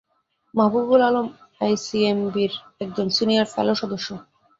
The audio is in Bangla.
মাহবুব উল আলম আইসিএমএবির একজন সিনিয়র ফেলো সদস্য।